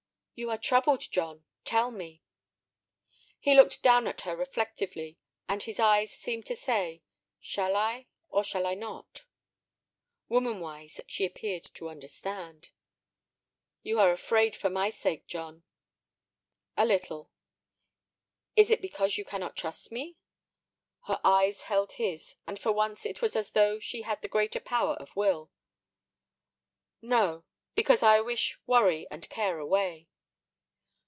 "You are troubled, John. Tell me." He looked down at her reflectively, and his eyes seemed to say: "Shall I or shall I not?" Womanwise, she appeared to understand. "You are afraid for my sake, John." "A little." "Is it because you cannot trust me?" Her eyes held his, and for once it was as though she had the greater power of will. "No. Because I wish worry and care away."